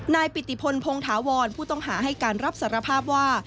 นายปิติพลพงถาวรผู้ต้องหาให้การรับสารภาพว่า